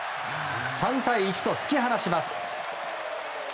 ３対１と突き放します。